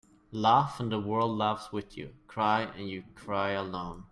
Laugh and the world laughs with you. Cry and you cry alone.